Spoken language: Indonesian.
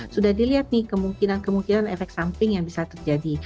sudah dilihat nih kemungkinan kemungkinan efek samping yang bisa terjadi